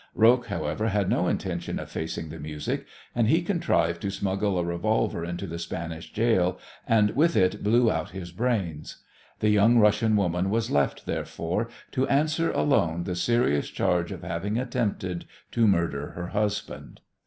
Roques, however, had no intention of facing the music, and he contrived to smuggle a revolver into the Spanish goal, and with it he blew out his brains. The young Russian woman was left, therefore, to answer alone the serious charge of having attempted to murder her husband.